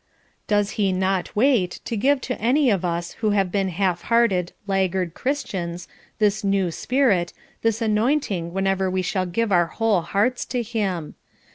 Does he not wait to give to any of us who have been half hearted laggard Christians, this "new spirit," this anointing whenever we shall give our whole hearts to him.